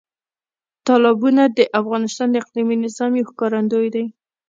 تالابونه د افغانستان د اقلیمي نظام یو ښکارندوی دی.